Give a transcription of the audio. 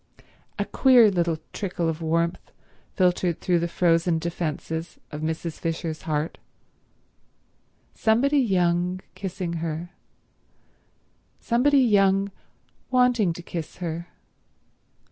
A queer little trickle of warmth filtered through the frozen defences of Mrs. Fisher's heart. Somebody young kissing her—somebody young wanting to kiss her.